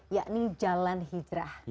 yakni jalan hijrah